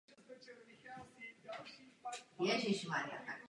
V čele svazu vždy stál První tajemník ústředního výboru Komunistického svazu mládeže.